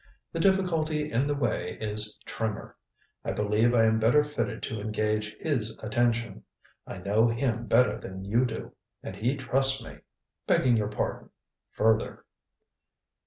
The difficulty in the way is Trimmer. I believe I am better fitted to engage his attention. I know him better than you do, and he trusts me begging your pardon further."